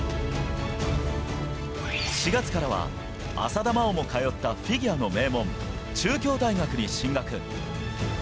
４月からは、浅田真央も通ったフィギュアの名門、中京大学に進学。